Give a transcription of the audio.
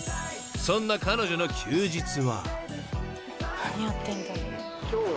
［そんな彼女の休日は］